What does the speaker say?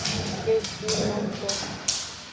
Keshinoto.